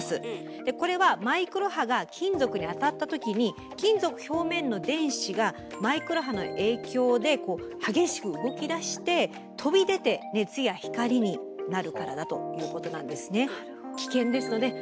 でこれはマイクロ波が金属に当たった時に金属表面の電子がマイクロ波の影響で激しく動きだして飛び出て熱や光になるからだということなんですね。